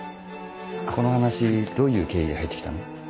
この話どういう経緯で入って来たの？